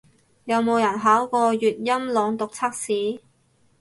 有冇人考過粵音朗讀測試